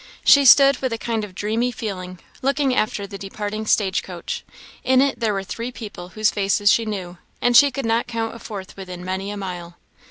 She stood with a kind of dreamy feeling, looking after the departing stage coach. In it there were three people whose faces she knew, and she could not count a fourth within many a mile.